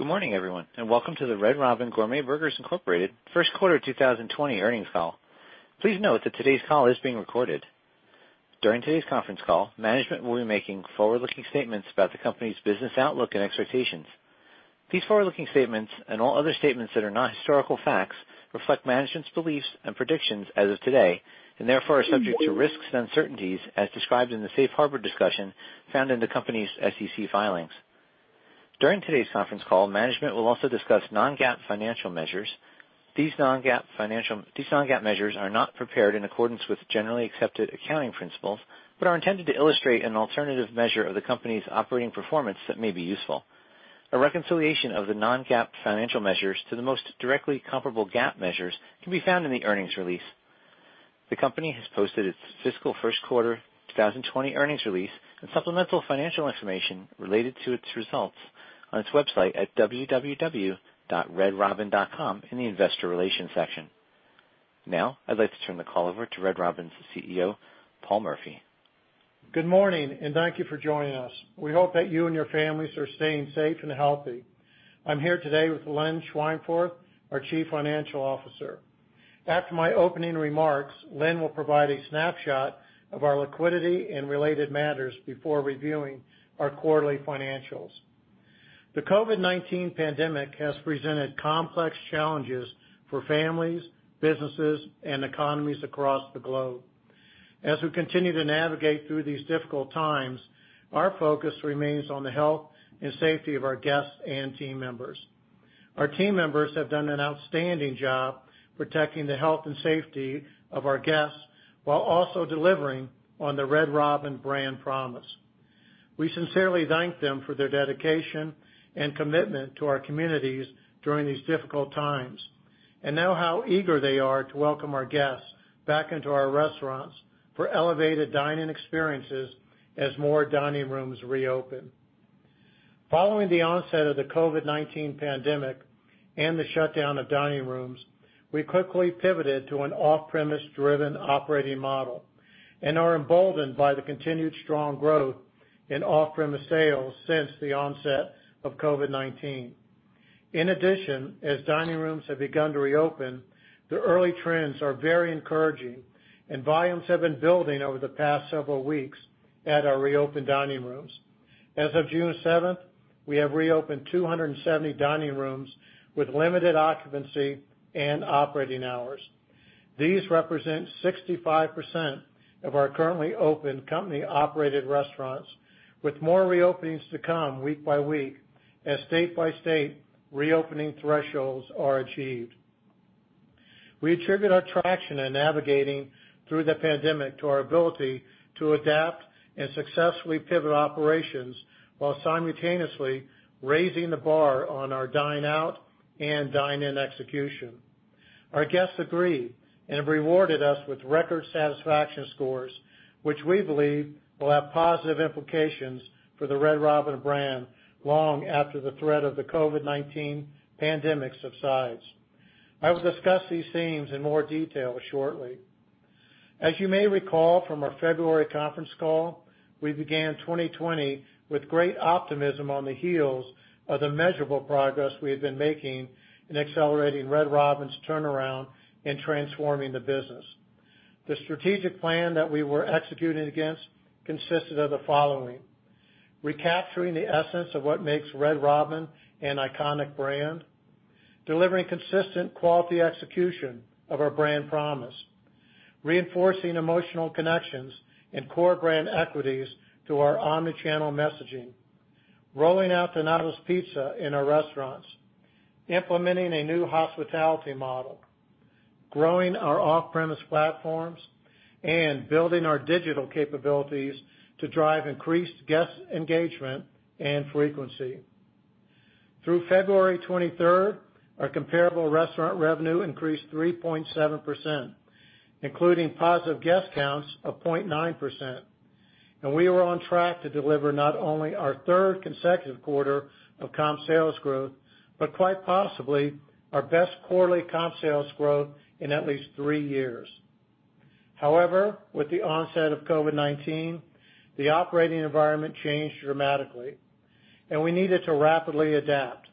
Good morning, everyone, and welcome to the Red Robin Gourmet Burgers Incorporated First Quarter 2020 earnings call. Please note that today's call is being recorded. During today's conference call, management will be making forward-looking statements about the company's business outlook and expectations. These forward-looking statements, and all other statements that are not historical facts, reflect management's beliefs and predictions as of today, and therefore are subject to risks and uncertainties as described in the safe harbor discussion found in the company's SEC filings. During today's conference call, management will also discuss non-GAAP financial measures. These non-GAAP measures are not prepared in accordance with generally accepted accounting principles, but are intended to illustrate an alternative measure of the company's operating performance that may be useful. A reconciliation of the non-GAAP financial measures to the most directly comparable GAAP measures can be found in the earnings release. The company has posted its fiscal first quarter 2020 earnings release and supplemental financial information related to its results on its website at www.redrobin.com in the investor relations section. I'd like to turn the call over to Red Robin's CEO, Paul Murphy. Good morning, and thank you for joining us. We hope that you and your families are staying safe and healthy. I'm here today with Lynn Schweinfurth, our Chief Financial Officer. After my opening remarks, Lynn will provide a snapshot of our liquidity and related matters before reviewing our quarterly financials. The COVID-19 pandemic has presented complex challenges for families, businesses, and economies across the globe. As we continue to navigate through these difficult times, our focus remains on the health and safety of our guests and team members. Our team members have done an outstanding job protecting the health and safety of our guests while also delivering on the Red Robin brand promise. We sincerely thank them for their dedication and commitment to our communities during these difficult times and know how eager they are to welcome our guests back into our restaurants for elevated dine-in experiences as more dining rooms reopen. Following the onset of the COVID-19 pandemic and the shutdown of dining rooms, we quickly pivoted to an off-premise driven operating model and are emboldened by the continued strong growth in off-premise sales since the onset of COVID-19. In addition, as dining rooms have begun to reopen, the early trends are very encouraging and volumes have been building over the past several weeks at our reopened dining rooms. As of June 7th, we have reopened 270 dining rooms with limited occupancy and operating hours. These represent 65% of our currently open company-operated restaurants, with more reopenings to come week by week as state by state reopening thresholds are achieved. We attribute our traction in navigating through the pandemic to our ability to adapt and successfully pivot operations while simultaneously raising the bar on our dine-out and dine-in execution. Our guests agree and have rewarded us with record satisfaction scores, which we believe will have positive implications for the Red Robin brand long after the threat of the COVID-19 pandemic subsides. I will discuss these themes in more detail shortly. As you may recall from our February conference call, we began 2020 with great optimism on the heels of the measurable progress we had been making in accelerating Red Robin's turnaround and transforming the business. The strategic plan that we were executing against consisted of the following: recapturing the essence of what makes Red Robin an iconic brand, delivering consistent quality execution of our brand promise, reinforcing emotional connections and core brand equities to our omni-channel messaging, rolling out Donatos Pizza in our restaurants, implementing a new hospitality model, growing our off-premise platforms, and building our digital capabilities to drive increased guest engagement and frequency. Through February 23rd, our comparable restaurant revenue increased 3.7%, including positive guest counts of 0.9%, and we were on track to deliver not only our third consecutive quarter of comp sales growth, but quite possibly our best quarterly comp sales growth in at least three years. However, with the onset of COVID-19, the operating environment changed dramatically, and we needed to rapidly adapt.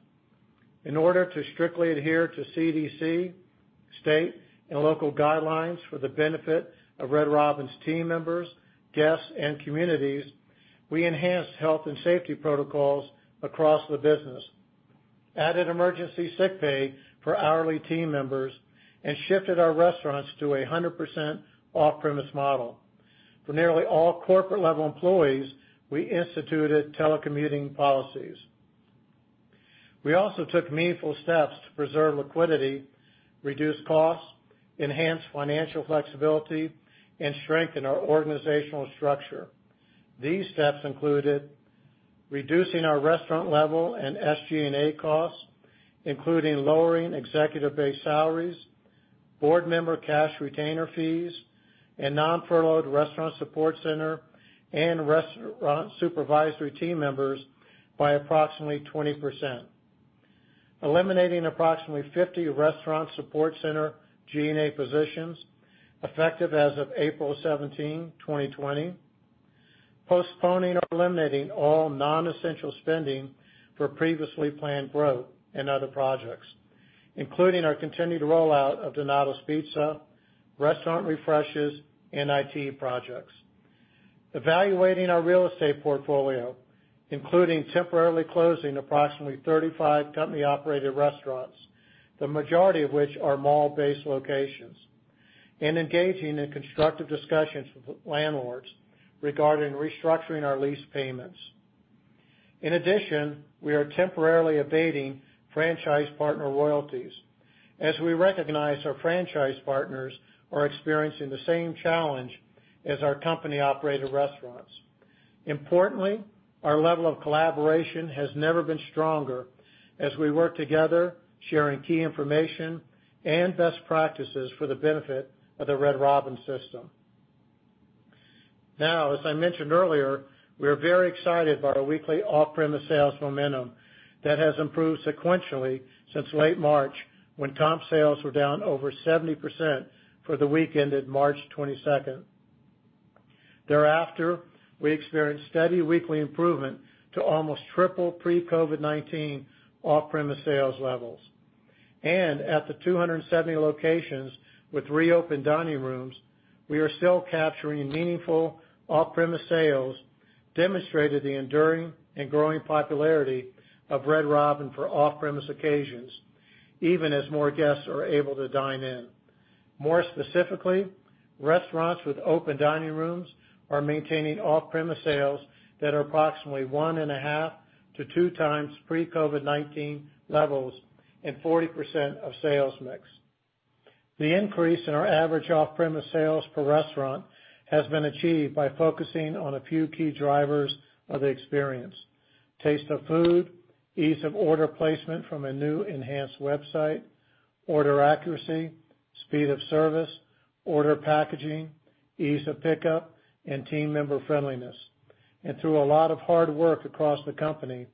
In order to strictly adhere to CDC, state, and local guidelines for the benefit of Red Robin's team members, guests, and communities, we enhanced health and safety protocols across the business, added emergency sick pay for hourly team members, and shifted our restaurants to a 100% off-premise model. For nearly all corporate-level employees, we instituted telecommuting policies. We also took meaningful steps to preserve liquidity, reduce costs, enhance financial flexibility, and strengthen our organizational structure. These steps included reducing our restaurant level and SG&A costs, including lowering executive base salaries, board member cash retainer fees, and non-furloughed restaurant support center and restaurant supervisory team members by approximately 20%. Eliminating approximately 50 restaurant support center G&A positions, effective as of April 17, 2020. Postponing or eliminating all non-essential spending for previously planned growth and other projects, including our continued rollout of Donatos Pizza, restaurant refreshes, and IT projects. Evaluating our real estate portfolio, including temporarily closing approximately 35 company-operated restaurants, the majority of which are mall-based locations, and engaging in constructive discussions with landlords regarding restructuring our lease payments. In addition, we are temporarily abating franchise partner royalties as we recognize our franchise partners are experiencing the same challenge as our company-operated restaurants. Importantly, our level of collaboration has never been stronger as we work together sharing key information and best practices for the benefit of the Red Robin system. As I mentioned earlier, we are very excited about our weekly off-premise sales momentum that has improved sequentially since late March, when comp sales were down over 70% for the week ended March 22nd. Thereafter, we experienced steady weekly improvement to almost triple pre-COVID-19 off-premise sales levels. At the 270 locations with reopened dining rooms, we are still capturing meaningful off-premise sales, demonstrating the enduring and growing popularity of Red Robin for off-premise occasions, even as more guests are able to dine in. More specifically, restaurants with open dining rooms are maintaining off-premise sales that are approximately 1.5x-2x pre-COVID-19 levels and 40% of sales mix. The increase in our average off-premise sales per restaurant has been achieved by focusing on a few key drivers of the experience. Taste of food, ease of order placement from a new enhanced website, order accuracy, speed of service, order packaging, ease of pickup, and team member friendliness. Through a lot of hard work across the company,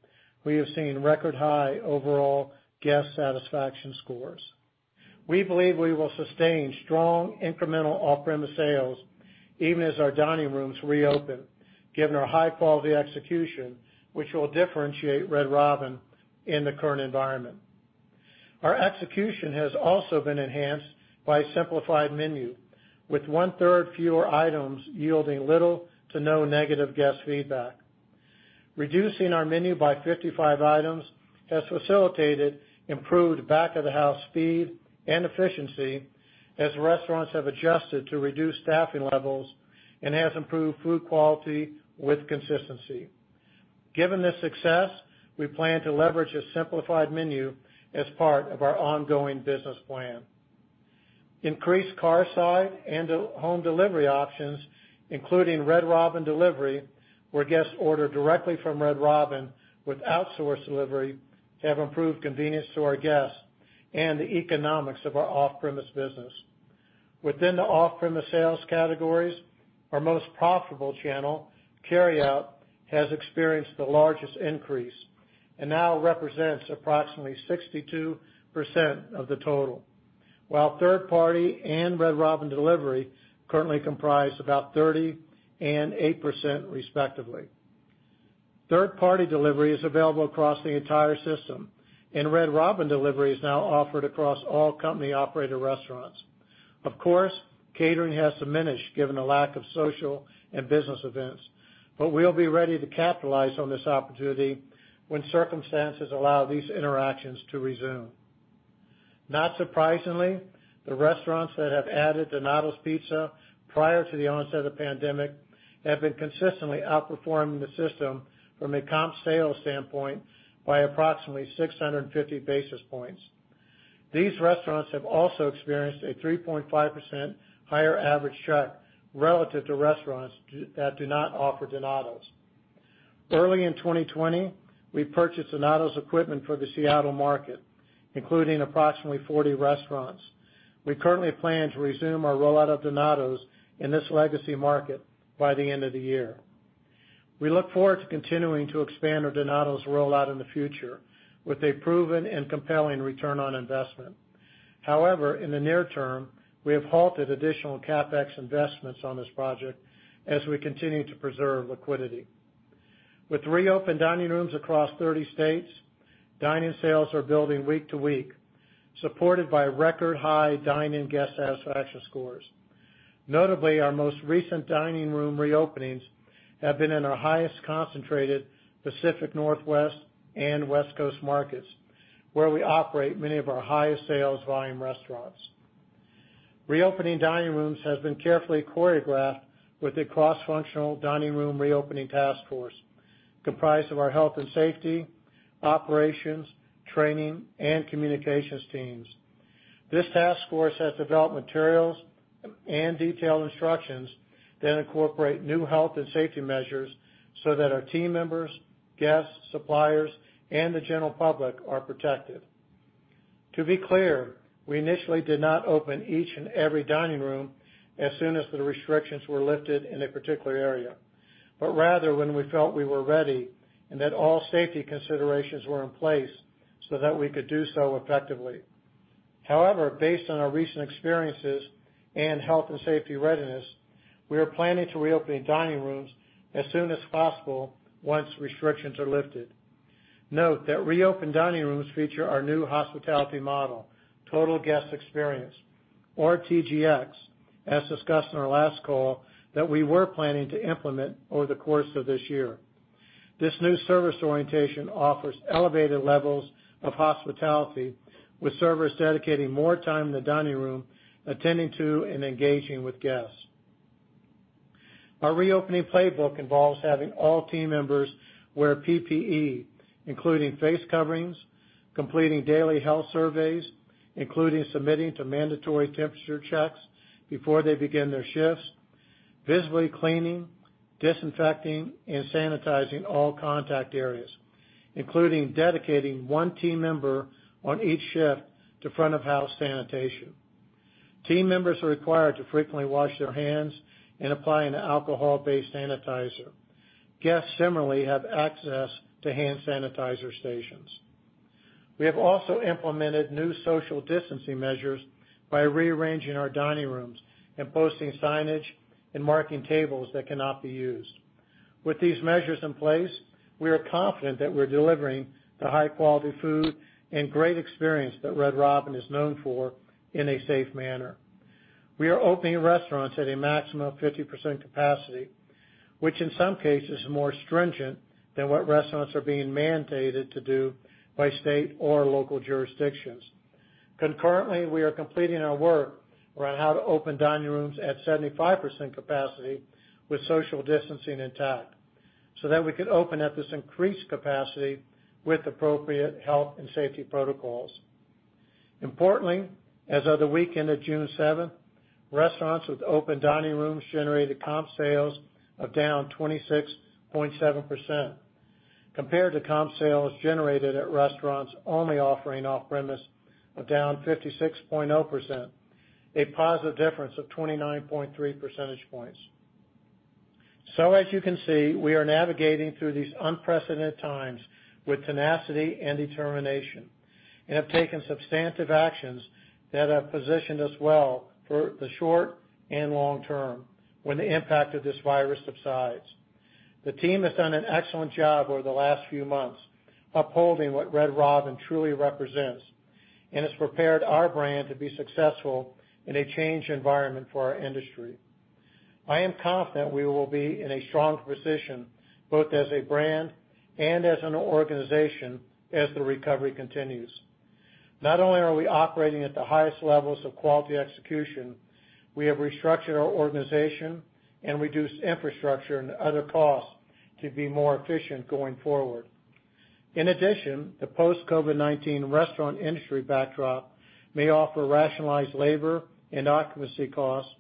we have seen record-high overall guest satisfaction scores. We believe we will sustain strong incremental off-premise sales even as our dining rooms reopen, given our high-quality execution, which will differentiate Red Robin in the current environment. Our execution has also been enhanced by a simplified menu, with one-third fewer items yielding little to no negative guest feedback. Reducing our menu by 55 items has facilitated improved back-of-the-house speed and efficiency as restaurants have adjusted to reduced staffing levels and has improved food quality with consistency. Given this success, we plan to leverage a simplified menu as part of our ongoing business plan. Increased car-side and home delivery options, including Red Robin Delivery, where guests order directly from Red Robin with outsource delivery, have improved convenience to our guests and the economics of our off-premise business. Within the off-premise sales categories, our most profitable channel, carryout, has experienced the largest increase and now represents approximately 62% of the total. While third-party and Red Robin Delivery currently comprise about 30% and 8% respectively. Third-party delivery is available across the entire system, and Red Robin Delivery is now offered across all company-operated restaurants. Of course, catering has diminished given the lack of social and business events, but we'll be ready to capitalize on this opportunity when circumstances allow these interactions to resume. Not surprisingly, the restaurants that have added Donatos Pizza prior to the onset of the pandemic have been consistently outperforming the system from a comp sales standpoint by approximately 650 basis points. These restaurants have also experienced a 3.5% higher average check relative to restaurants that do not offer Donatos. Early in 2020, we purchased Donatos equipment for the Seattle market, including approximately 40 restaurants. We currently plan to resume our rollout of Donatos in this legacy market by the end of the year. We look forward to continuing to expand our Donatos rollout in the future with a proven and compelling return on investment. However, in the near term, we have halted additional CapEx investments on this project as we continue to preserve liquidity. With reopened dining rooms across 30 states, dine-in sales are building week to week, supported by record-high dine-in guest satisfaction scores. Notably, our most recent dining room reopenings have been in our highest concentrated Pacific Northwest and West Coast markets, where we operate many of our highest sales volume restaurants. Reopening dining rooms has been carefully choreographed with a cross-functional dining room reopening task force comprised of our health and safety, operations, training, and communications teams. This task force has developed materials and detailed instructions that incorporate new health and safety measures so that our team members, guests, suppliers, and the general public are protected. To be clear, we initially did not open each and every dining room as soon as the restrictions were lifted in a particular area, but rather when we felt we were ready and that all safety considerations were in place so that we could do so effectively. However, based on our recent experiences and health and safety readiness, we are planning to reopen dining rooms as soon as possible once restrictions are lifted. Note that reopened dining rooms feature our new hospitality model, Total Guest Experience or TGX, as discussed in our last call, that we were planning to implement over the course of this year. This new service orientation offers elevated levels of hospitality, with servers dedicating more time in the dining room, attending to and engaging with guests. Our reopening playbook involves having all team members wear PPE, including face coverings, completing daily health surveys, including submitting to mandatory temperature checks before they begin their shifts, visibly cleaning, disinfecting, and sanitizing all contact areas, including dedicating one team member on each shift to front-of-house sanitation. Team members are required to frequently wash their hands and apply an alcohol-based sanitizer. Guests similarly have access to hand sanitizer stations. We have also implemented new social distancing measures by rearranging our dining rooms and posting signage and marking tables that cannot be used. With these measures in place, we are confident that we're delivering the high-quality food and great experience that Red Robin is known for in a safe manner. We are opening restaurants at a maximum of 50% capacity, which in some cases is more stringent than what restaurants are being mandated to do by state or local jurisdictions. Concurrently, we are completing our work around how to open dining rooms at 75% capacity with social distancing intact, so that we could open at this increased capacity with appropriate health and safety protocols. Importantly, as of the weekend of June 7th, restaurants with open dining rooms generated comp sales of down 26.7%, compared to comp sales generated at restaurants only offering off-premise of down 56.0%, a positive difference of 29.3 percentage points. As you can see, we are navigating through these unprecedented times with tenacity and determination and have taken substantive actions that have positioned us well for the short and long term when the impact of this virus subsides. The team has done an excellent job over the last few months upholding what Red Robin truly represents and has prepared our brand to be successful in a changed environment for our industry. I am confident we will be in a strong position, both as a brand and as an organization, as the recovery continues. Not only are we operating at the highest levels of quality execution, we have restructured our organization and reduced infrastructure and other costs to be more efficient going forward. In addition, the post-COVID-19 restaurant industry backdrop may offer rationalized labor and occupancy costs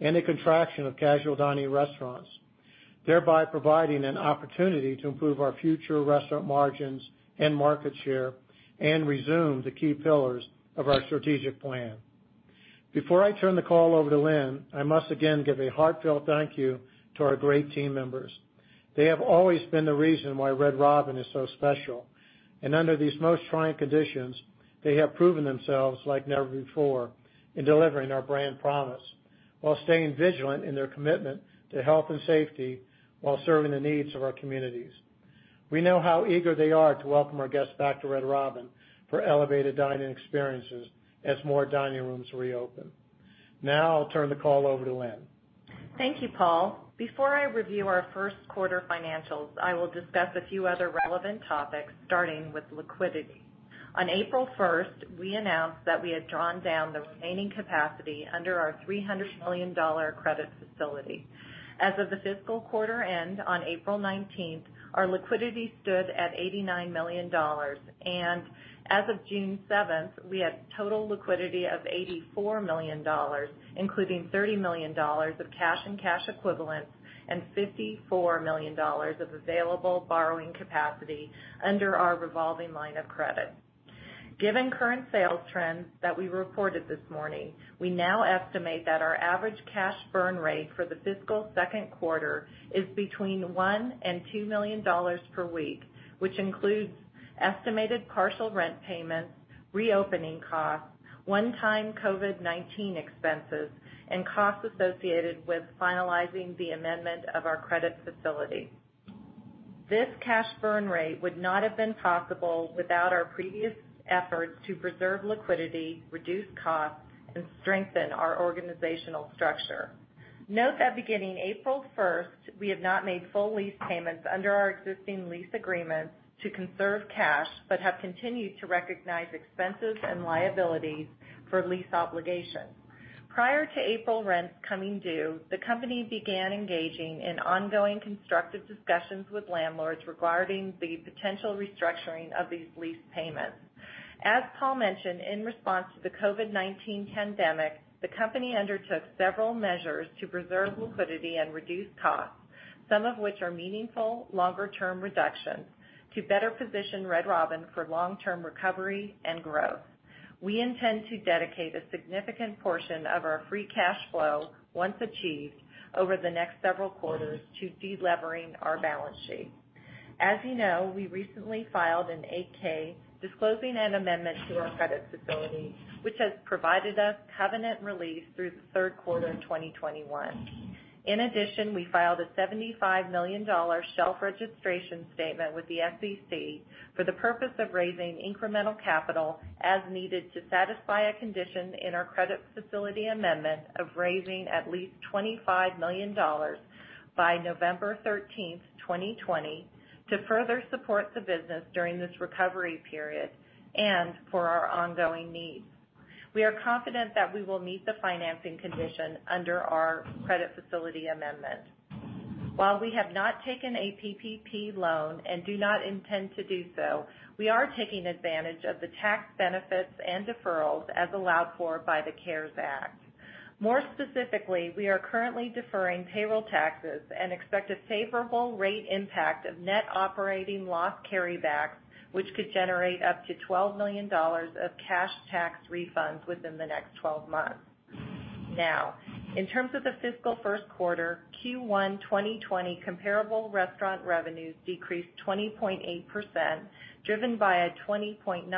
and a contraction of casual dining restaurants, thereby providing an opportunity to improve our future restaurant margins and market share and resume the key pillars of our strategic plan. Before I turn the call over to Lynn, I must again give a heartfelt thank you to our great team members. They have always been the reason why Red Robin is so special, and under these most trying conditions, they have proven themselves like never before in delivering our brand promise while staying vigilant in their commitment to health and safety while serving the needs of our communities. We know how eager they are to welcome our guests back to Red Robin for elevated dining experiences as more dining rooms reopen. Now I'll turn the call over to Lynn. Thank you, Paul. Before I review our first quarter financials, I will discuss a few other relevant topics, starting with liquidity. On April 1st, we announced that we had drawn down the remaining capacity under our $300 million credit facility. As of the fiscal quarter end on April 19th, our liquidity stood at $89 million, and as of June 7th, we had total liquidity of $84 million, including $30 million of cash and cash equivalents and $54 million of available borrowing capacity under our revolving line of credit. Given current sales trends that we reported this morning, we now estimate that our average cash burn rate for the fiscal second quarter is between $1 million and $2 million per week, which includes estimated partial rent payments, reopening costs, one-time COVID-19 expenses, and costs associated with finalizing the amendment of our credit facility. This cash burn rate would not have been possible without our previous efforts to preserve liquidity, reduce costs, and strengthen our organizational structure. Note that beginning April 1st, we have not made full lease payments under our existing lease agreements to conserve cash but have continued to recognize expenses and liabilities for lease obligations. Prior to April rents coming due, the company began engaging in ongoing constructive discussions with landlords regarding the potential restructuring of these lease payments. As Paul mentioned, in response to the COVID-19 pandemic, the company undertook several measures to preserve liquidity and reduce costs, some of which are meaningful longer-term reductions to better position Red Robin for long-term recovery and growth. We intend to dedicate a significant portion of our free cash flow, once achieved, over the next several quarters to de-levering our balance sheet. As you know, we recently filed an 8-K disclosing an amendment to our credit facility, which has provided us covenant relief through the third quarter of 2021. In addition, we filed a $75 million shelf registration statement with the SEC for the purpose of raising incremental capital as needed to satisfy a condition in our credit facility amendment of raising at least $25 million by November 13th, 2020, to further support the business during this recovery period and for our ongoing needs. We are confident that we will meet the financing condition under our credit facility amendment. While we have not taken a PPP loan and do not intend to do so, we are taking advantage of the tax benefits and deferrals as allowed for by the CARES Act. More specifically, we are currently deferring payroll taxes and expect a favorable rate impact of net operating loss carrybacks, which could generate up to $12 million of cash tax refunds within the next 12 months. In terms of the fiscal first quarter, Q1 2020 comparable restaurant revenues decreased 20.8%, driven by a 20.9%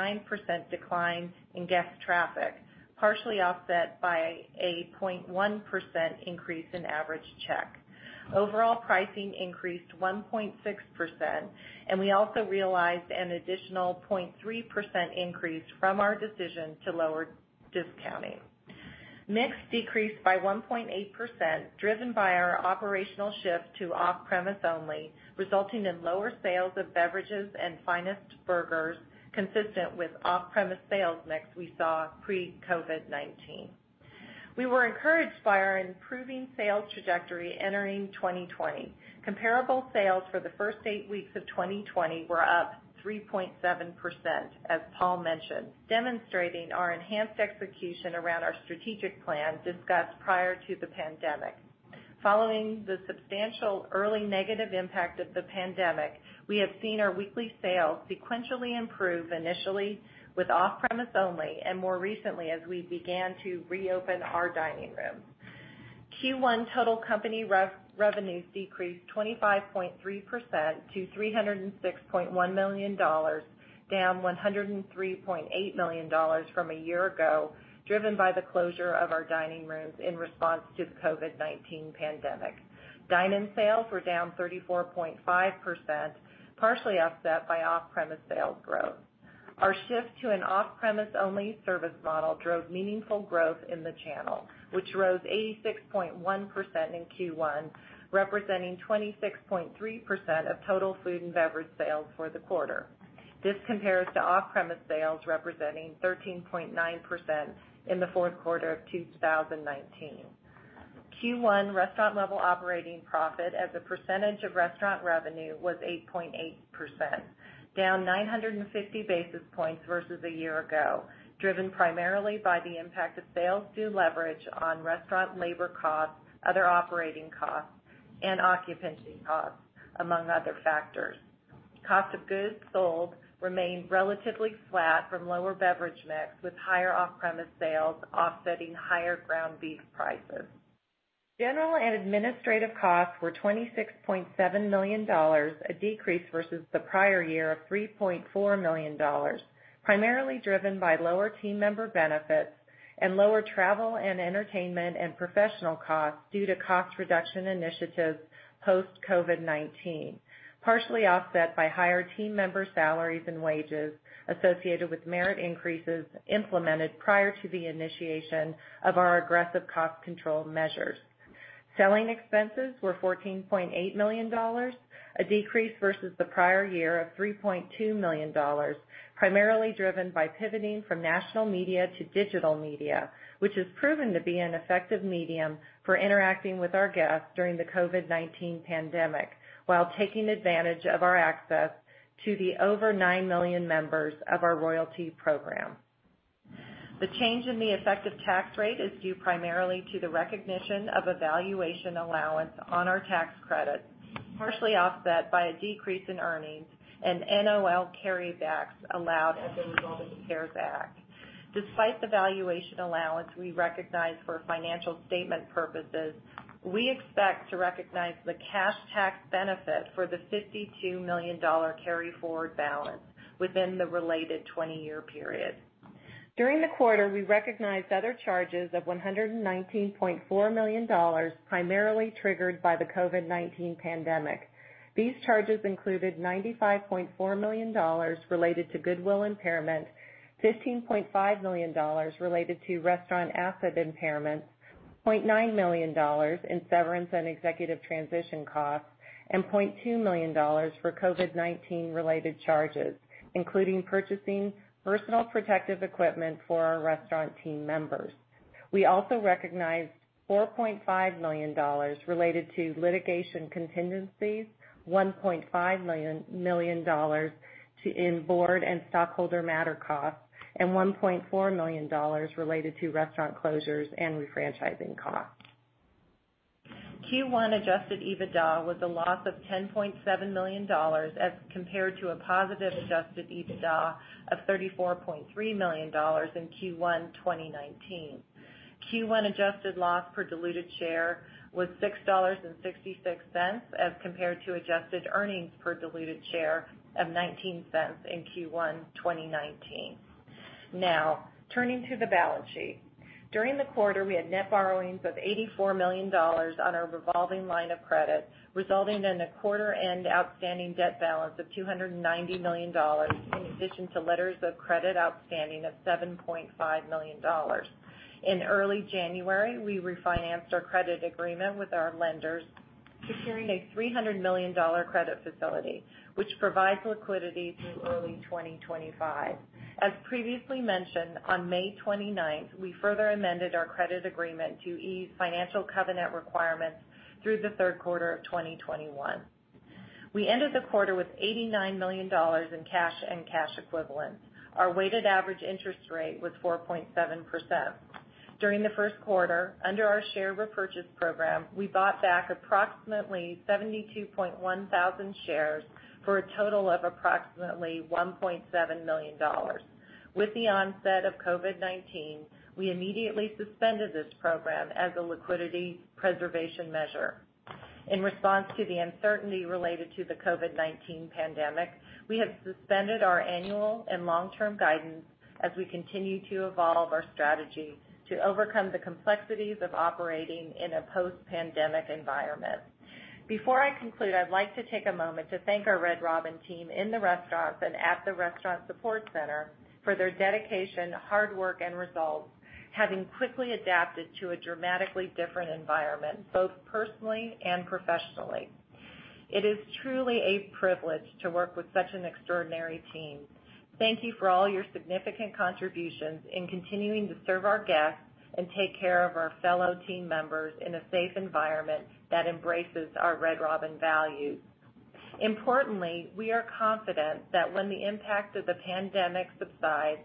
decline in guest traffic, partially offset by a 0.1% increase in average check. Overall pricing increased 1.6%, and we also realized an additional 0.3% increase from our decision to lower discounting. Mix decreased by 1.8%, driven by our operational shift to off-premise only, resulting in lower sales of beverages and Finest burgers consistent with off-premise sales mix we saw pre-COVID-19. We were encouraged by our improving sales trajectory entering 2020. Comparable sales for the first eight weeks of 2020 were up 3.7%, as Paul mentioned, demonstrating our enhanced execution around our strategic plan discussed prior to the pandemic. Following the substantial early negative impact of the pandemic, we have seen our weekly sales sequentially improve initially with off-premise only, and more recently as we began to reopen our dining rooms. Q1 total company revenues decreased 25.3% to $306.1 million, down $103.8 million from a year ago, driven by the closure of our dining rooms in response to the COVID-19 pandemic. Dine-in sales were down 34.5%, partially offset by off-premise sales growth. Our shift to an off-premise-only service model drove meaningful growth in the channel, which rose 86.1% in Q1, representing 26.3% of total food and beverage sales for the quarter. This compares to off-premise sales representing 13.9% in the fourth quarter of 2019. Q1 restaurant-level operating profit as a percentage of restaurant revenue was 8.8%, down 950 basis points versus a year ago, driven primarily by the impact of sales deleverage on restaurant labor costs, other operating costs, and occupancy costs, among other factors. Cost of goods sold remained relatively flat from lower beverage mix, with higher off-premise sales offsetting higher ground beef prices. General and administrative costs were $26.7 million, a decrease versus the prior year of $3.4 million, primarily driven by lower team member benefits and lower travel and entertainment and professional costs due to cost reduction initiatives post-COVID-19, partially offset by higher team member salaries and wages associated with merit increases implemented prior to the initiation of our aggressive cost control measures. Selling expenses were $14.8 million, a decrease versus the prior year of $3.2 million, primarily driven by pivoting from national media to digital media, which has proven to be an effective medium for interacting with our guests during the COVID-19 pandemic while taking advantage of our access to the over nine million members of our Royalty Program. The change in the effective tax rate is due primarily to the recognition of a valuation allowance on our tax credit, partially offset by a decrease in earnings and NOL carrybacks allowed as a result of the CARES Act. Despite the valuation allowance we recognize for financial statement purposes, we expect to recognize the cash tax benefit for the $52 million carryforward balance within the related 20-year period. During the quarter, we recognized other charges of $119.4 million, primarily triggered by the COVID-19 pandemic. These charges included $95.4 million related to goodwill impairment, $15.5 million related to restaurant asset impairments, $0.9 million in severance and executive transition costs, and $0.2 million for COVID-19-related charges, including purchasing personal protective equipment for our restaurant team members. We also recognized $4.5 million related to litigation contingencies, $1.5 million in board and stockholder matter costs, and $1.4 million related to restaurant closures and refranchising costs. Q1 adjusted EBITDA was a loss of $10.7 million as compared to a positive adjusted EBITDA of $34.3 million in Q1 2019. Q1 adjusted loss per diluted share was $6.66 as compared to adjusted earnings per diluted share of $0.19 in Q1 2019. Now, turning to the balance sheet. During the quarter, we had net borrowings of $84 million on our revolving line of credit, resulting in a quarter-end outstanding debt balance of $290 million, in addition to letters of credit outstanding of $7.5 million. In early January, we refinanced our credit agreement with our lenders, securing a $300 million credit facility, which provides liquidity through early 2025. As previously mentioned, on May 29th, we further amended our credit agreement to ease financial covenant requirements through the third quarter of 2021. We ended the quarter with $89 million in cash and cash equivalents. Our weighted average interest rate was 4.7%. During the first quarter, under our share repurchase program, we bought back approximately 72,100 shares for a total of approximately $1.7 million. With the onset of COVID-19, we immediately suspended this program as a liquidity preservation measure. In response to the uncertainty related to the COVID-19 pandemic, we have suspended our annual and long-term guidance as we continue to evolve our strategy to overcome the complexities of operating in a post-pandemic environment. Before I conclude, I'd like to take a moment to thank our Red Robin team in the restaurants and at the restaurant support center for their dedication, hard work, and results, having quickly adapted to a dramatically different environment, both personally and professionally. It is truly a privilege to work with such an extraordinary team. Thank you for all your significant contributions in continuing to serve our guests and take care of our fellow team members in a safe environment that embraces our Red Robin values. Importantly, we are confident that when the impact of the pandemic subsides,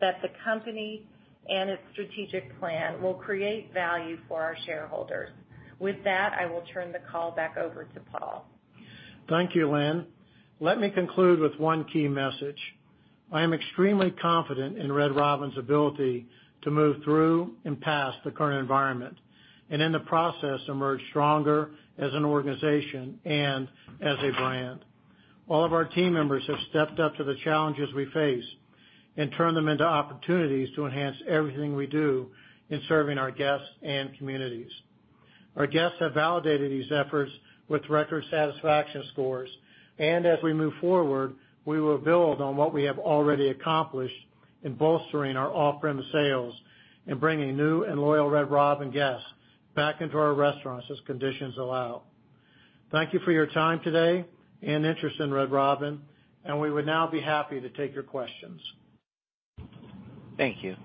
that the company and its strategic plan will create value for our shareholders. With that, I will turn the call back over to Paul. Thank you, Lynn. Let me conclude with one key message. I am extremely confident in Red Robin's ability to move through and past the current environment, and in the process, emerge stronger as an organization and as a brand. All of our team members have stepped up to the challenges we face and turned them into opportunities to enhance everything we do in serving our guests and communities. Our guests have validated these efforts with record satisfaction scores. As we move forward, we will build on what we have already accomplished in bolstering our off-premise sales and bringing new and loyal Red Robin guests back into our restaurants as conditions allow. Thank you for your time today and interest in Red Robin, and we would now be happy to take your questions. Thank you.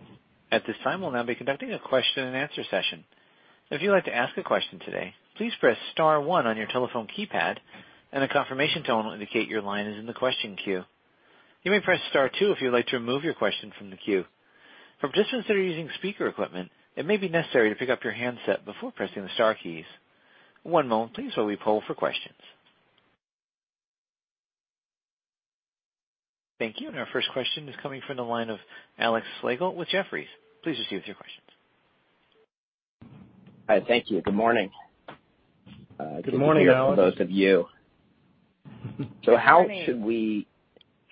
At this time, we'll now be conducting a question-and-answer session. If you'd like to ask a question today, please press star one on your telephone keypad, and a confirmation tone will indicate your line is in the question queue. You may press star two if you'd like to remove your question from the queue. For participants that are using speaker equipment, it may be necessary to pick up your handset before pressing the star keys. One moment please, while we poll for questions. Thank you. Our first question is coming from the line of Alex Slagle with Jefferies. Please proceed with your questions. Hi. Thank you. Good morning. Good morning, Alex. Good morning to both of you. Good morning.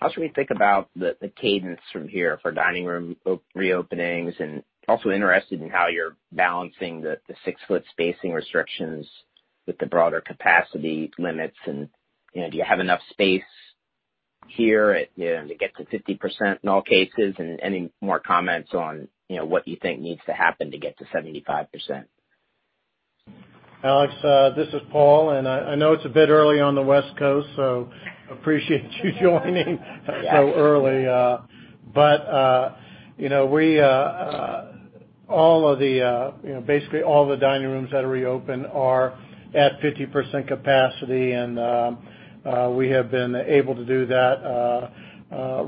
How should we think about the cadence from here for dining room reopenings? Also interested in how you're balancing the 6 ft spacing restrictions with the broader capacity limits, and do you have enough space here to get to 50% in all cases? Any more comments on what you think needs to happen to get to 75%? Alex, this is Paul. I know it's a bit early on the West Coast, appreciate you joining so early. Basically all the dining rooms that are reopen are at 50% capacity. We have been able to do that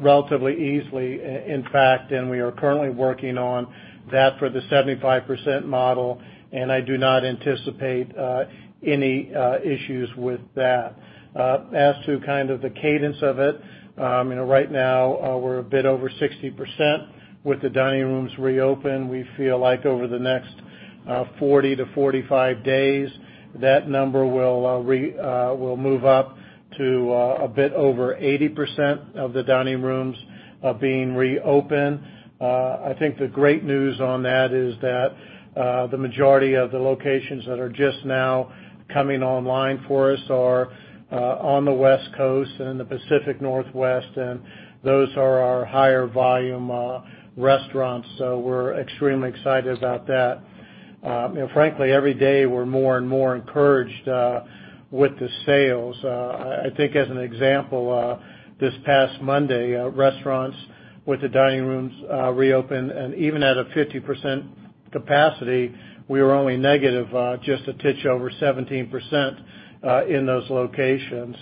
relatively easily, in fact. We are currently working on that for the 75% model. I do not anticipate any issues with that. As to kind of the cadence of it, right now, we're a bit over 60% with the dining rooms reopen. We feel like over the next 40 to 45 days, that number will move up to a bit over 80% of the dining rooms being reopened. I think the great news on that is that the majority of the locations that are just now coming online for us are on the West Coast and in the Pacific Northwest, and those are our higher volume restaurants. We're extremely excited about that. Frankly, every day, we're more and more encouraged with the sales. I think as an example, this past Monday, restaurants with the dining rooms reopened, and even at a 50% capacity, we were only negative just a titch over 17% in those locations.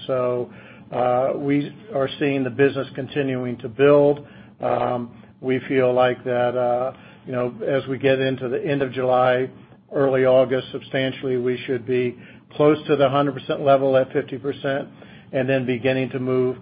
We are seeing the business continuing to build. We feel like that as we get into the end of July, early August, substantially, we should be close to the 100% level at 50%, then beginning to move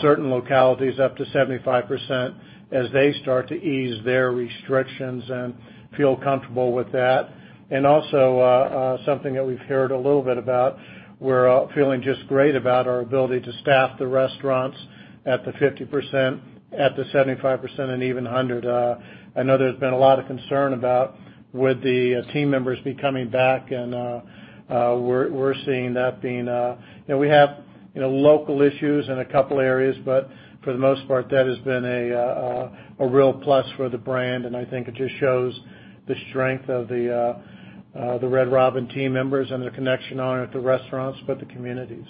certain localities up to 75% as they start to ease their restrictions and feel comfortable with that. Something that we've heard a little bit about, we're feeling just great about our ability to staff the restaurants at the 50%, at the 75%, and even 100%. I know there's been a lot of concern about would the team members be coming back, and we're seeing that. We have local issues in a couple areas, for the most part, that has been a real plus for the brand, and I think it just shows the strength of the Red Robin team members and the connection honor to the restaurants, but the communities.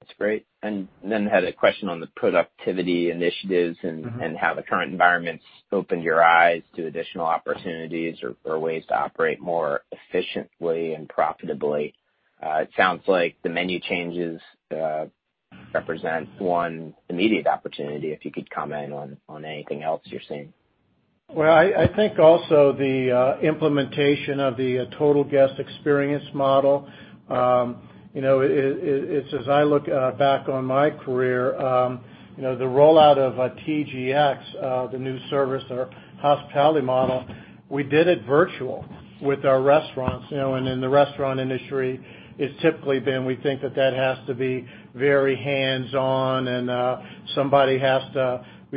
That's great. Had a question on the productivity initiatives and how the current environment's opened your eyes to additional opportunities or ways to operate more efficiently and profitably. It sounds like the menu changes represent one immediate opportunity, if you could comment on anything else you're seeing. Well, I think also the implementation of the Total Guest Experience model. As I look back on my career, the rollout of TGX, the new service, our hospitality model, we did it virtual with our restaurants. In the restaurant industry, it's typically been, we think that has to be very hands-on and we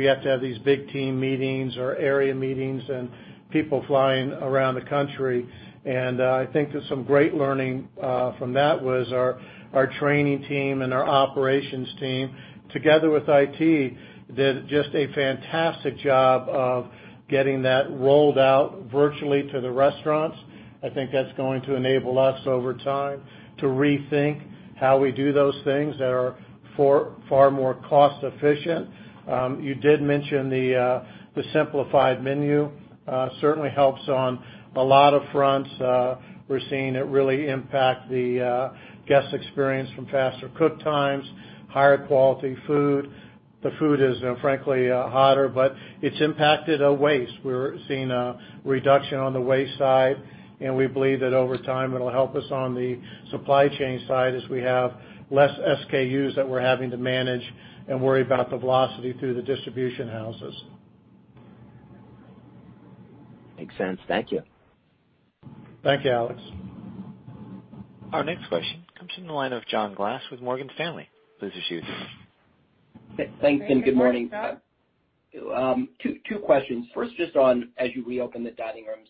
have to have these big team meetings or area meetings and people flying around the country. I think that some great learning from that was our training team and our operations team, together with IT, did just a fantastic job of getting that rolled out virtually to the restaurants. I think that's going to enable us over time to rethink how we do those things that are far more cost-efficient. You did mention the simplified menu. Certainly helps on a lot of fronts. We're seeing it really impact the guest experience from faster cook times, higher quality food. The food is, frankly, hotter, but it's impacted waste. We're seeing a reduction on the waste side, and we believe that over time it'll help us on the supply chain side as we have less SKUs that we're having to manage and worry about the velocity through the distribution houses. Makes sense. Thank you. Thank you, Alex. Our next question comes from the line of John Glass with Morgan Stanley. Please proceed. Thanks. Good morning. Good Morning, John. Two questions. First, just on as you reopen the dining rooms,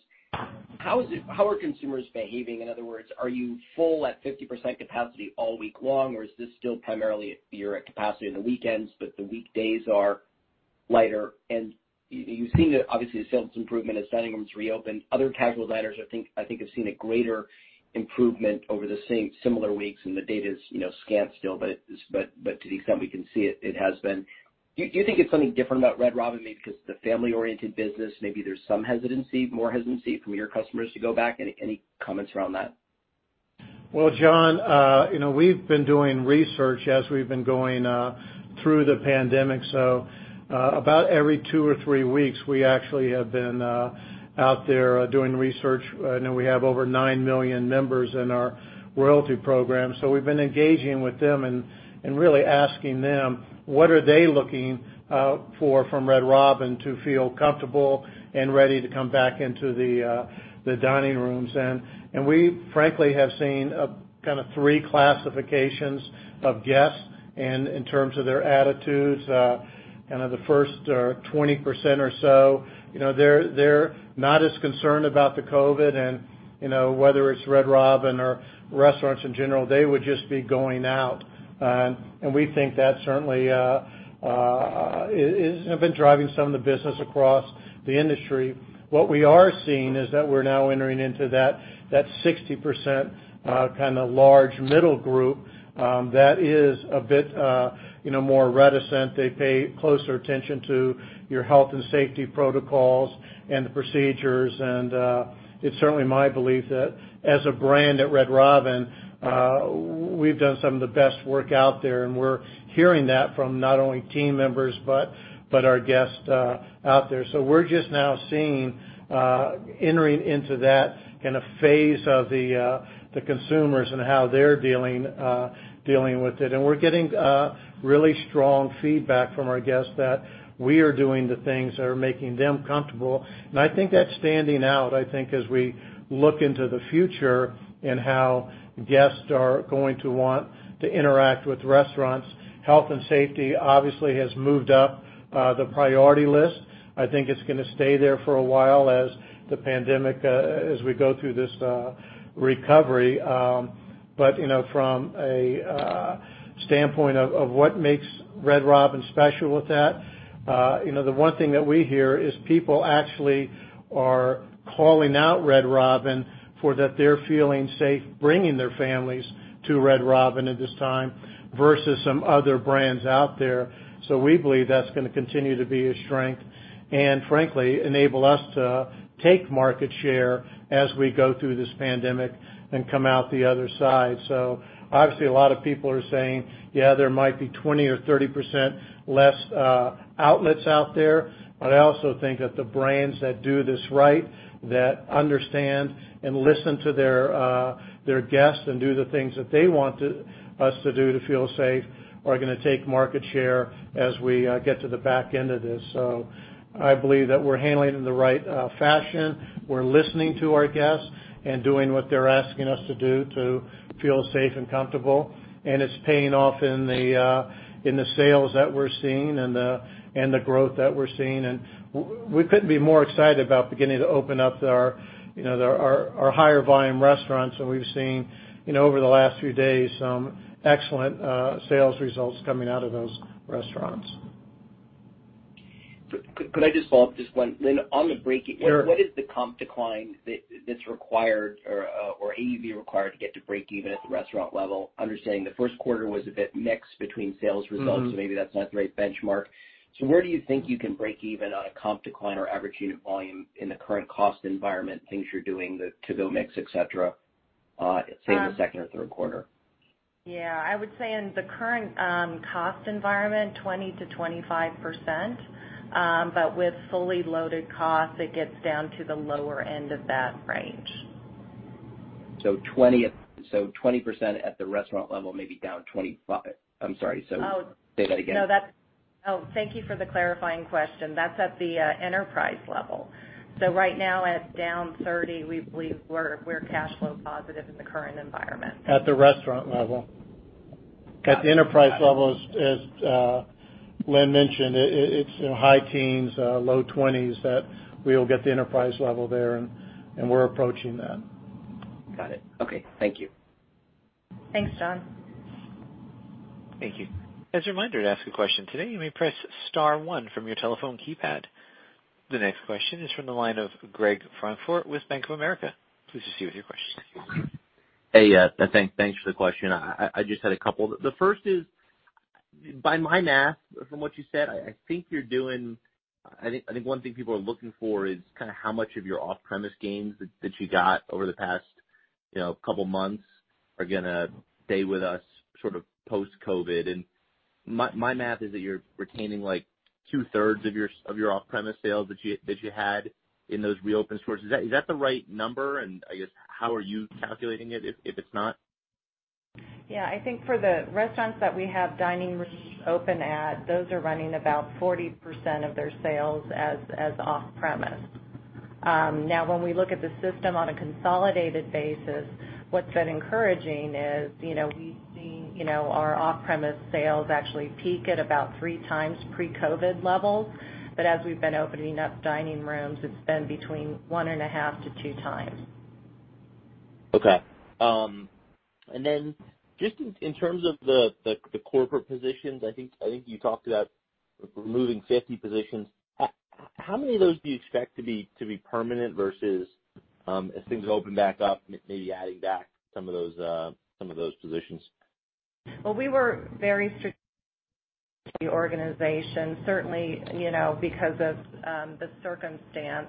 how are consumers behaving? In other words, are you full at 50% capacity all week long, or is this still primarily you're at capacity on the weekends, but the weekdays are lighter? You've seen, obviously, a sales improvement as dining rooms reopen. Other casual diners, I think, have seen a greater improvement over the same similar weeks, and the data's scant still, but to the extent we can see it has been. Do you think it's something different about Red Robin, maybe because it's a family-oriented business, maybe there's some hesitancy, more hesitancy from your customers to go back? Any comments around that? Well, John, we've been doing research as we've been going through the pandemic. About every two or three weeks, we actually have been out there doing research. I know we have over 9 million members in our Royalty Program, we've been engaging with them and really asking them what are they looking for from Red Robin to feel comfortable and ready to come back into the dining rooms. We frankly have seen three classifications of guests in terms of their attitudes. The first are 20% or so. They're not as concerned about the COVID and whether it's Red Robin or restaurants in general, they would just be going out. We think that certainly has been driving some of the business across the industry. What we are seeing is that we're now entering into that 60% large middle group that is a bit more reticent. They pay closer attention to your health and safety protocols and the procedures. It's certainly my belief that as a brand at Red Robin, we've done some of the best work out there, and we're hearing that from not only team members, but our guests out there. We're just now seeing—entering into that phase of the consumers and how they're dealing with it. We're getting really strong feedback from our guests that we are doing the things that are making them comfortable, and I think that's standing out, I think, as we look into the future and how guests are going to want to interact with restaurants. Health and safety obviously has moved up the priority list. I think it's going to stay there for a while as we go through this recovery. From a standpoint of what makes Red Robin special with that, the one thing that we hear is people actually are calling out Red Robin for that they're feeling safe bringing their families to Red Robin at this time versus some other brands out there. We believe that's going to continue to be a strength and frankly, enable us to take market share as we go through this pandemic and come out the other side. Obviously a lot of people are saying, "Yeah, there might be 20% or 30% less outlets out there." I also think that the brands that do this right, that understand and listen to their guests and do the things that they want us to do to feel safe, are going to take market share as we get to the back end of this. I believe that we're handling it in the right fashion. We're listening to our guests and doing what they're asking us to do to feel safe and comfortable, and it's paying off in the sales that we're seeing and the growth that we're seeing. We couldn't be more excited about beginning to open up our higher volume restaurants, and we've seen over the last few days, some excellent sales results coming out of those restaurants. Could I just follow up just one, Lynn, on the break even— Sure. What is the comp decline that's required or AUV required to get to break even at the restaurant level? Understanding the first quarter was a bit mixed between sales results maybe that's not the right benchmark. Where do you think you can break even on a comp decline or average unit volume in the current cost environment, things you're doing, the to-go mix, et cetera, say in the second or third quarter? Yeah. I would say in the current cost environment, 20%-25%, but with fully loaded costs, it gets down to the lower end of that range. 20% at the restaurant level, maybe down 25%. I'm sorry, so— Oh. —did I get that? No, that's—oh, thank you for the clarifying question. That's at the enterprise level. Right now at down 30%, we believe we're cash flow positive in the current environment. At the restaurant level. At the enterprise level, as Lynn mentioned, it's high-teens, low-20s, that we'll get the enterprise level there, and we're approaching that. Got it. Okay. Thank you. Thanks, John. Thank you. As a reminder to ask a question today, you may press star one from your telephone keypad. The next question is from the line of Greg Francfort with Bank of America. Please proceed with your question. Hey. Thanks for the question. I just had a couple. The first is, by my math, from what you said, I think one thing people are looking for is how much of your off-premise gains that you got over the past couple months are going to stay with us post-COVID. My math is that you're retaining 2/3 of your off-premise sales that you had in those reopened stores. Is that the right number? I guess, how are you calculating it if it's not? Yeah, I think for the restaurants that we have dining rooms open at, those are running about 40% of their sales as off-premise. When we look at the system on a consolidated basis, what's been encouraging is we've seen our off-premise sales actually peak at about 3x pre-COVID levels. As we've been opening up dining rooms, it's been between 1.5x-2x. Okay. Just in terms of the corporate positions, I think you talked about removing 50 positions. How many of those do you expect to be permanent versus, as things open back up, maybe adding back some of those positions? Well, we were very strict to the organization, certainly, because of the circumstance.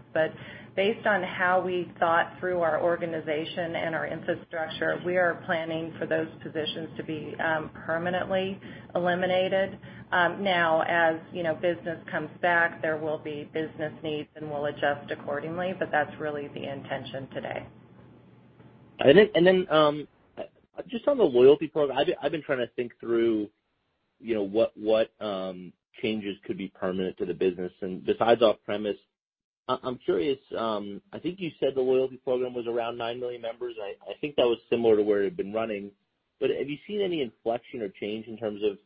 Based on how we thought through our organization and our infrastructure, we are planning for those positions to be permanently eliminated. Now, as business comes back, there will be business needs, and we'll adjust accordingly, but that's really the intention today. Just on the Royalty Program, I've been trying to think through what changes could be permanent to the business. Besides off-premise, I'm curious, I think you said the Royalty Program was around nine million members. I think that was similar to where it had been running, but have you seen any inflection or change in terms of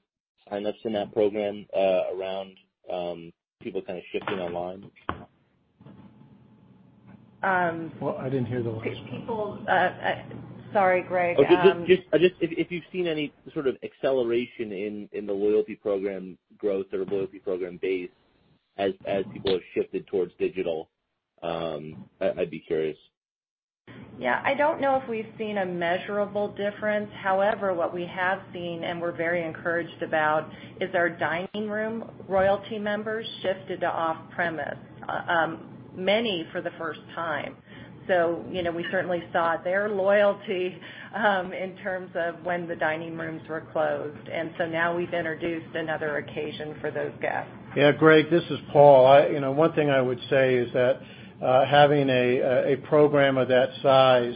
sign-ups in that program around people shifting online? Well, I didn't hear the last— People—sorry, Greg. If you've seen any sort of acceleration in the loyalty program growth or loyalty program base as people have shifted towards digital, I'd be curious. Yeah. I don't know if we've seen a measurable difference. However, what we have seen, and we're very encouraged about, is our dining room Royalty members shifted to off-premise, many for the first time. We certainly saw their loyalty in terms of when the dining rooms were closed, and so now we've introduced another occasion for those guests. Yeah, Greg, this is Paul. One thing I would say is that having a program of that size,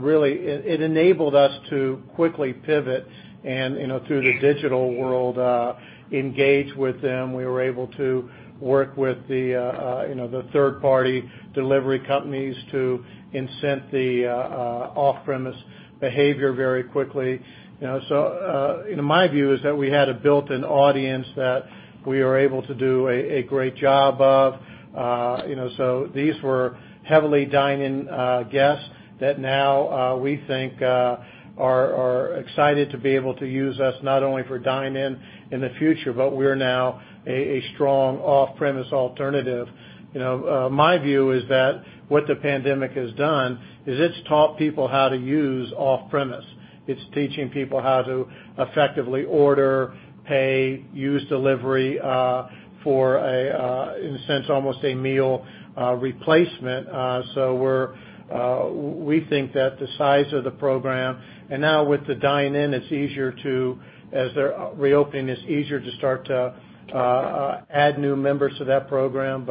really, it enabled us to quickly pivot and through the digital world, engage with them. We were able to work with the third-party delivery companies to incent the off-premise behavior very quickly. My view is that we had a built-in audience that we were able to do a great job of. These were heavily dine-in guests that now we think are excited to be able to use us not only for dine-in in the future, but we're now a strong off-premise alternative. My view is that what the pandemic has done is it's taught people how to use off-premise. It's teaching people how to effectively order, pay, use delivery for a, in a sense, almost a meal replacement. We think that the size of the program, and now with the dine-in, as they're reopening, it's easier to start to add new members to that program.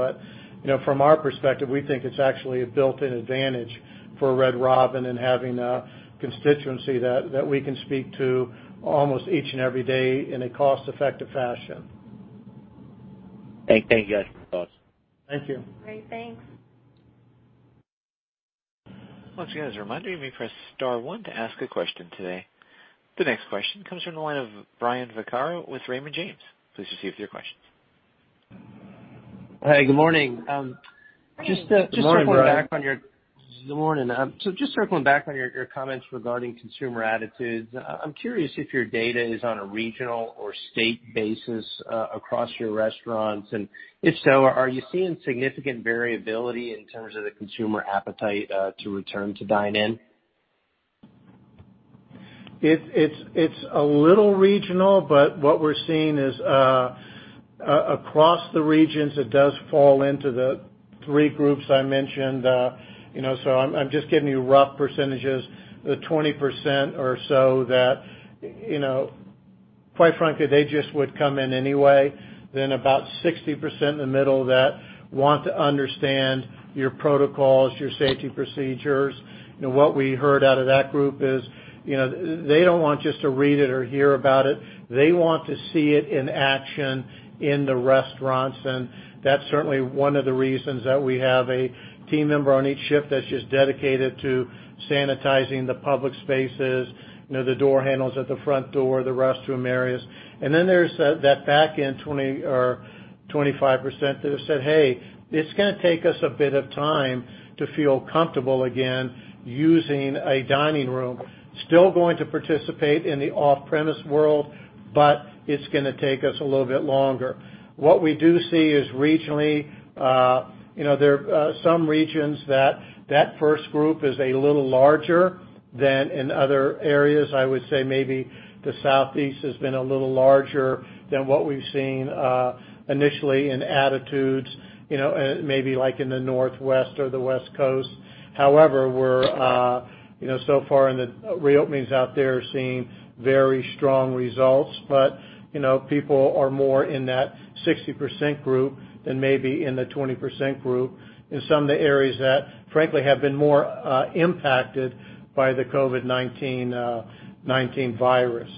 From our perspective, we think it's actually a built-in advantage for Red Robin in having a constituency that we can speak to almost each and every day in a cost-effective fashion. Thank you guys for your thoughts. Thank you. Great. Thanks. Once again, as a reminder, you may press star one to ask a question today. The next question comes from the line of Brian Vaccaro with Raymond James. Please proceed with your question. Hey, good morning. Good morning, Brian. Good morning. Just circling back on your comments regarding consumer attitudes, I'm curious if your data is on a regional or state basis across your restaurants. If so, are you seeing significant variability in terms of the consumer appetite to return to dine in? It's a little regional, but what we're seeing is, across the regions, it does fall into the three groups I mentioned. I'm just giving you rough percentages. The 20% or so that, quite frankly, they just would come in anyway. About 60% in the middle that want to understand your protocols, your safety procedures. What we heard out of that group is they don't want just to read it or hear about it. They want to see it in action in the restaurants, and that's certainly one of the reasons that we have a team member on each shift that's just dedicated to sanitizing the public spaces, the door handles at the front door, the restroom areas. There's that back end 20% or 25% that have said, "Hey, it's going to take us a bit of time to feel comfortable again using a dining room. Still going to participate in the off-premise world, but it's going to take us a little bit longer." What we do see is regionally, there are some regions that first group is a little larger than in other areas. I would say maybe the Southeast has been a little larger than what we've seen initially in attitudes, maybe like in the Northwest or the West Coast. However, so far in the reopenings out there are seeing very strong results. People are more in that 60% group than maybe in the 20% group in some of the areas that frankly have been more impacted by the COVID-19 virus.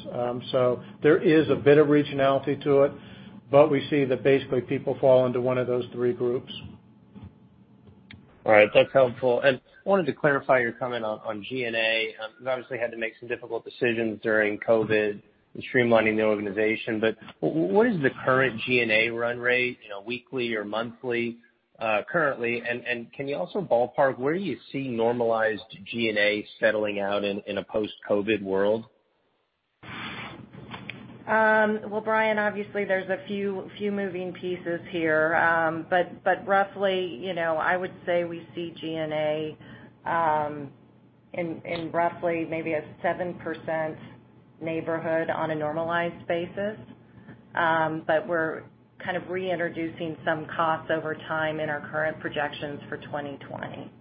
There is a bit of regionality to it, but we see that basically people fall into one of those three groups. All right. That's helpful. Wanted to clarify your comment on G&A, because obviously had to make some difficult decisions during COVID and streamlining the organization. What is the current G&A run rate weekly or monthly, currently, and can you also ballpark where you see normalized G&A settling out in a post-COVID world? Well, Brian, obviously there's a few moving pieces here. Roughly, I would say we see G&A in roughly maybe a 7% neighborhood on a normalized basis. We're kind of reintroducing some costs over time in our current projections for 2020.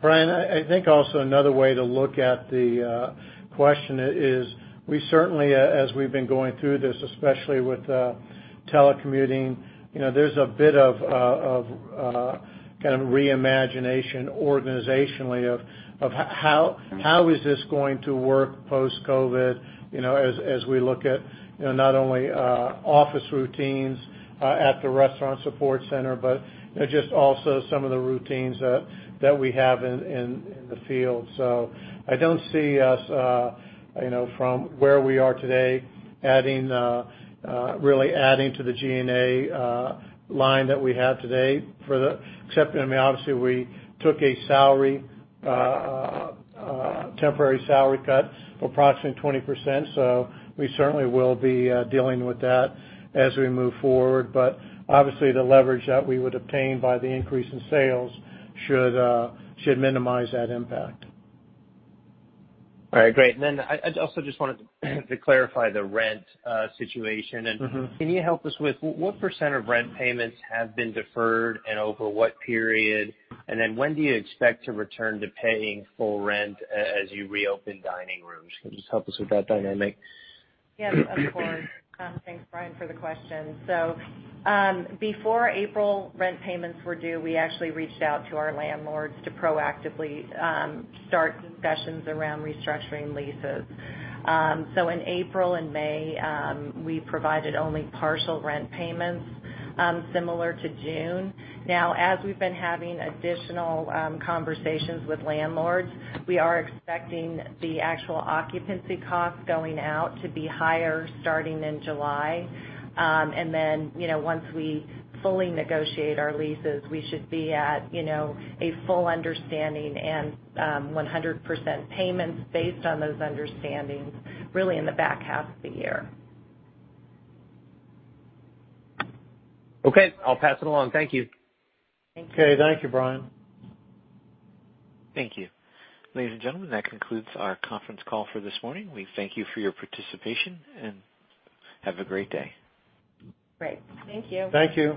Brian, I think also another way to look at the question is we certainly, as we've been going through this, especially with telecommuting, there's a bit of reimagination organizationally of how is this going to work post-COVID-19, as we look at not only office routines at the restaurant support center, but just also some of the routines that we have in the field. I don't see us, from where we are today, really adding to the G&A line that we have today. Except, obviously we took a temporary salary cut of approximately 20%, so we certainly will be dealing with that as we move forward. Obviously the leverage that we would obtain by the increase in sales should minimize that impact. All right, great. I also just wanted to clarify the rent situation. Can you help us with what percent of rent payments have been deferred and over what period? And then when do you expect to return to paying full rent as you reopen dining rooms? Can you just help us with that dynamic? Yes, of course. Thanks, Brian, for the question. Before April rent payments were due, we actually reached out to our landlords to proactively start discussions around restructuring leases. In April and May, we provided only partial rent payments, similar to June. Now, as we've been having additional conversations with landlords, we are expecting the actual occupancy cost going out to be higher starting in July. Once we fully negotiate our leases, we should be at a full understanding and 100% payments based on those understandings really in the back half of the year. Okay. I'll pass it along. Thank you. Thank you. Okay. Thank you, Brian. Thank you. Ladies and gentlemen, that concludes our conference call for this morning. We thank you for your participation. Have a great day. Great. Thank you. Thank you.